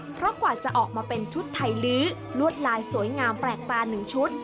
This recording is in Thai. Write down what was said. เพราะกว่าจะออกมาเป็นชุดไทยลื้อลวดลายสวยงามแปลกตาหนึ่งชุด